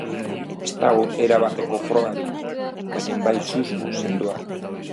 Ez dago erabateko frogarik, baina bai susmo sendoak.